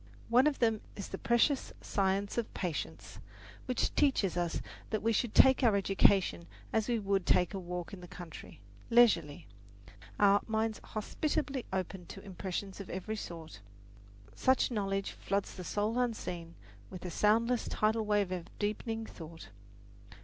One of them is the precious science of patience, which teaches us that we should take our education as we would take a walk in the country, leisurely, our minds hospitably open to impressions of every sort. Such knowledge floods the soul unseen with a soundless tidal wave of deepening thought.